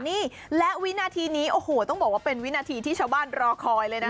นี่และวินาทีนี้โอ้โหต้องบอกว่าเป็นวินาทีที่ชาวบ้านรอคอยเลยนะคะ